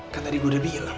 kan tadi gue udah bilang